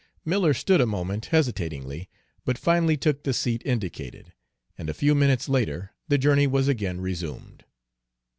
Miller stood a moment hesitatingly, but finally took the seat indicated, and a few minutes later the journey was again resumed.